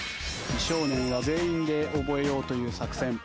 美少年は全員で覚えようという作戦。